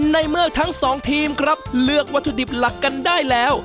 ในเมื่อทั้งสองทีมครับเลือกวัตถุดิบหลักกันได้แล้ว